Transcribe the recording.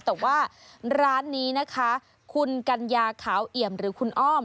แต่ว่าร้านนี้นะคะคุณกัญญาขาวเอี่ยมหรือคุณอ้อม